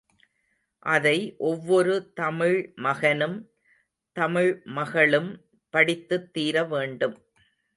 அதை ஒவ்வொரு தமிழ் மகனும் தமிழ்மகளும் படித்துத் தீரவேண்டும்.